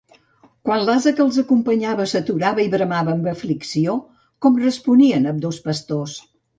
Quan l'ase que els acompanyava s'aturava i bramava amb aflicció, com responien ambdós pastors?